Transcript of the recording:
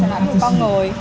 thì là người con người